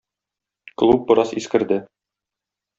Клуб бераз искерде.